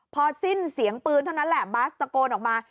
พอสิ้นเสียงปืนเท่านั้นแหละบาสตะโกนออกมา